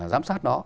giám sát đó